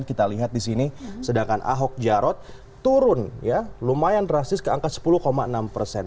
kita lihat di sini sedangkan ahok jarot turun ya lumayan drastis ke angka sepuluh enam persen